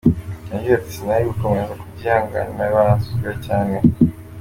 Yagize ati: “ Sinari gukomeza kubyihanganira baransuzugura cyane”.